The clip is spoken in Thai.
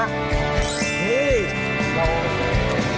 นี่